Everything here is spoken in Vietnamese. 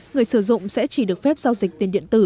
người sử dụng sẽ chỉ được phép giao dịch tiền điện tử